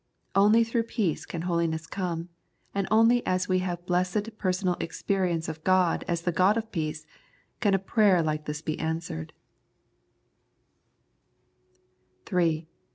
Only through peace can holiness come, and only as we have blessed personal experience of God as the God of peace can a prayer like this be answered.